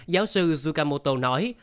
giáo sư tsukamoto nói